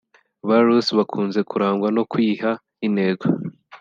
Ba Ross bakunze kurangwa no kwiha intego